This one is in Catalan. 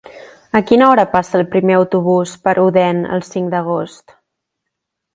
A quina hora passa el primer autobús per Odèn el cinc d'agost?